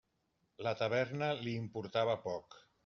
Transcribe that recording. La taverna li importava poc.